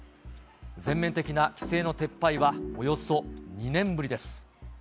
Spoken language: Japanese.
全面的な規制の撤廃はおよそ２年ぶりです。